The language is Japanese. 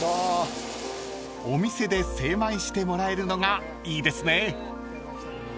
［お店で精米してもらえるのがいいですね］